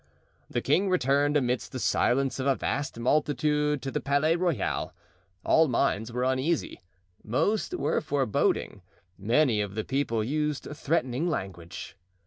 The king returned amidst the silence of a vast multitude to the Palais Royal. All minds were uneasy, most were foreboding, many of the people used threatening language.